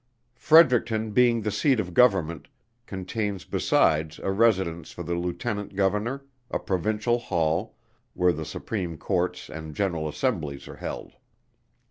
Fredericton being the seat of Government, contains besides a residence for the Lieutenant Governor, a Provincial Hall, where the Supreme Courts and General Assemblies are held.